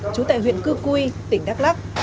chú tại huyện cư cui tỉnh đắk lắc